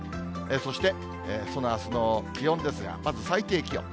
そして、そのあすの気温ですが、まず最低気温。